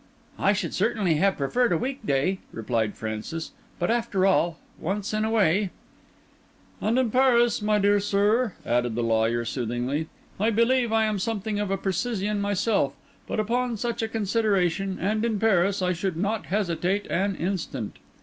"I should certainly have preferred a week day," replied Francis. " But, after all, once in a way—" "And in Paris, my dear sir," added the lawyer soothingly. "I believe I am something of a precisian myself, but upon such a consideration, and in Paris, I should not hesitate an instant."